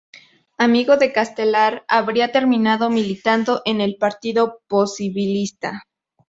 Amigo de Castelar, habría terminado militando en el Partido Posibilista.